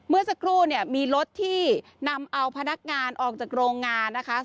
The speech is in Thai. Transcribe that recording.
เมื่อสักครู่มีรถที่นำเอาพนักงานออกจากโรงงาน